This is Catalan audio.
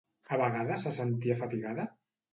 A vegades se sentia fatigada?